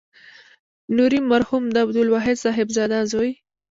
نوري مرحوم د عبدالواحد صاحبزاده زوی.